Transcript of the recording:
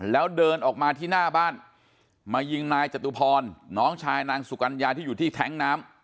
แล้วเดินออกมาที่หน้าบ้านมายิงนายจตุพรน้องชายนางสุกัญญาที่อยู่ที่แท้งน้ำ